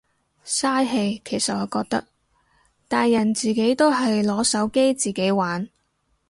嘥氣其實我覺得，大人自己都係攞手機自己玩。